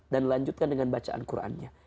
dan lanjutkan dengan bacaan qurannya